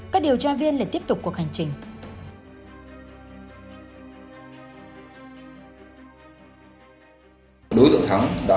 các điều tra viên lại tiếp tục cuộc hành trình